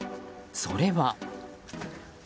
それは。